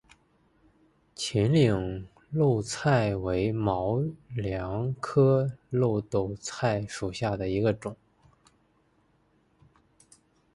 秦岭耧斗菜为毛茛科耧斗菜属下的一个种。